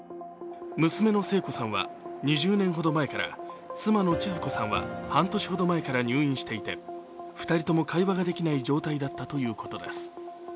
娘の聖子さんは２０年ほど前から、妻のちづ子さんは半年ほど前から入院していて２人とも会話ができない状態だったということです。